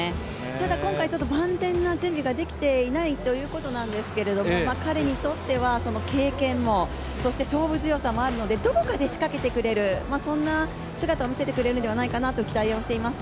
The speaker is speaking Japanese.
ただ、今回は万全な準備ができていないということなんですけれども、彼にとっては経験も、そして勝負強さもあるので、どこかで仕掛けてくれる、そんな姿を見せてくれるのではないかなと期待しています。